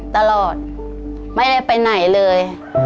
ตลอดไม่ได้ไปไหนเลย